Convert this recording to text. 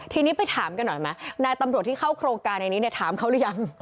ทีนี้ไปถามกันหน่อยไหมนายตำรวจที่เข้าโครงการในนี้ถามเขาหรือยัง